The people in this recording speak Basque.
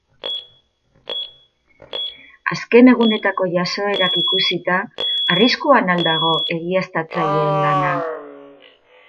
Azken egunetako jazoerak ikusita, arriskuan al dago egiaztatzaileen lana?